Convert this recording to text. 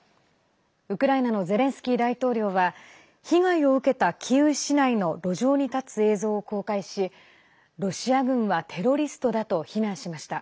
ウクライナのゼレンスキー大統領は被害を受けたキーウ市内の路上に立つ映像を公開しロシア軍はテロリストだと非難しました。